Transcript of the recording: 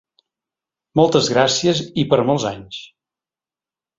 Moltes gràcies i per molts anys!